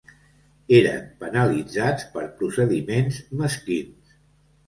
Eren penalitzats per procediments mesquins